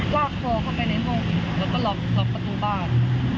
ลากโทรเข้าไปในโรงพิษแล้วก็หลับประตูบ้าน